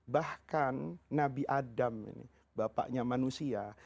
bahkan nabi adam ini bapaknya manusia